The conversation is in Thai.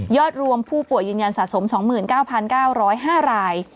รวมผู้ป่วยยืนยันสะสม๒๙๙๐๕ราย